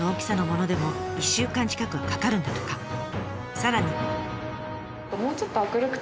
さらに。